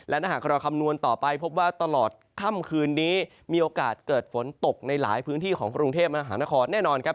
และถ้าหากเราคำนวณต่อไปพบว่าตลอดค่ำคืนนี้มีโอกาสเกิดฝนตกในหลายพื้นที่ของกรุงเทพมหานครแน่นอนครับ